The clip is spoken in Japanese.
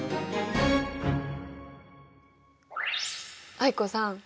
藍子さん